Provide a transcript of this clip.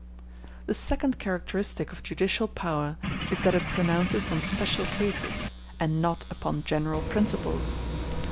The second characteristic of judicial power is that it pronounces on special cases, and not upon general principles.